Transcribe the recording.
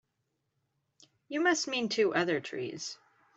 You must mean two other trees.